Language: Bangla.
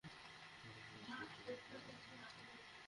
বছর তিনেক আগে তাঁর সর্বশেষ অ্যালবাম বৃষ্টি ছোঁব বলে প্রকাশিত হয়েছিল।